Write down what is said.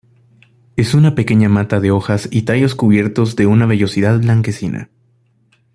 Es una pequeña mata de hojas y tallos cubiertos de una vellosidad blanquecina.